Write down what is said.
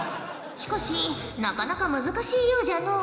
しかしなかなか難しいようじゃのう。